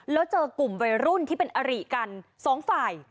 แล้วเจอกลุ่มวัยรุ่นที่เป็นอริกันสองฝ่าย